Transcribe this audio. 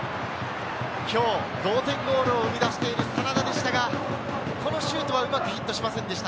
今日、同点ゴールを生み出している真田でしたが、このシュートはうまくヒットしませんでした。